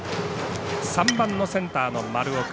３番のセンター、丸岡。